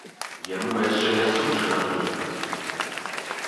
Яму яшчэ не суджана загінуць.